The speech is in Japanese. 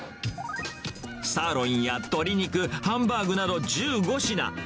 サーロインや鶏肉、ハンバーグなど１５品。